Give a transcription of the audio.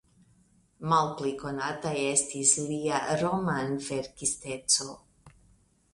Malpli konata estis lia romanverkisteco.